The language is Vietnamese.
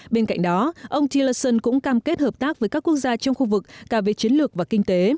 bên cạnh đó ông tillerson cũng cam kết hợp tác với các quốc gia trong khu vực cả về chiến lược và kinh tế